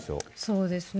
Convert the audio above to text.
そうですね。